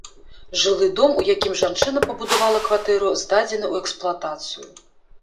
Жылы дом, у якім жанчына пабудавала кватэру, здадзены ў эксплуатацыю.